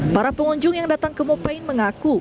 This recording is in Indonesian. para pengunjung yang datang ke mopaint mengaku